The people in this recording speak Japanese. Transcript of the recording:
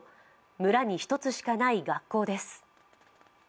村に１つしかない学校です。